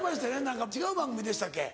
何か違う番組でしたっけ？